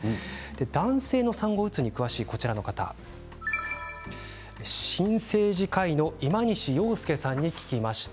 男性の産後うつに詳しい新生児科医の今西洋介さんに聞きました。